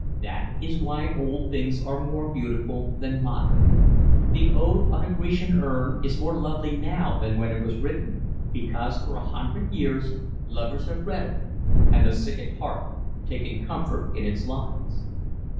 That is why old things are more beautiful than modern. The Ode on a Grecian Urn is more lovely now than when it was written, because for a hundred years lovers have read it and the sick at heart taken comfort in its lines."